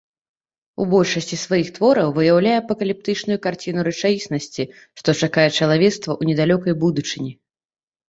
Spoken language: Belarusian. У большасці сваіх твораў выяўляе апакаліптычную карціну рэчаіснасці, што чакае чалавецтва ў недалёкай будучыні.